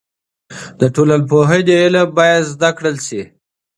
د ټولنپوهنې علم باید زده کړل سي.